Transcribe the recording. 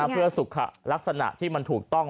เพื่อสุขลักษณะที่มันถูกต้อง